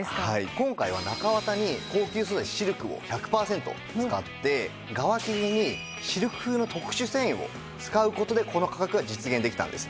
今回は中わたに高級素材シルクを１００パーセント使って側生地にシルク風の特殊繊維を使う事でこの価格が実現できたんです。